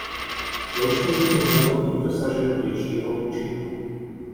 Sloučením mělo být dosaženo většího účinku.